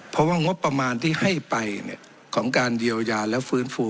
เพราะว่างบประมาณที่ให้ไปของการเยียวยาและฟื้นฟู